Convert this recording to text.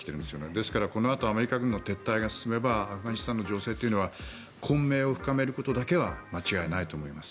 ですから、このあとアメリカ軍の撤退が進めばアフガニスタンの情勢というのは混迷を深めることだけは間違いないと思います。